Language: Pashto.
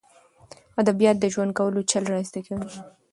ادبیات د ژوند کولو چل را زده کوي.